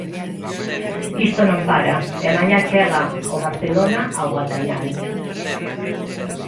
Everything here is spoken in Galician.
Isto non para e mañá chega o Barcelona ao Gatañal.